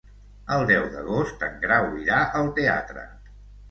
El deu d'agost en Grau irà al teatre.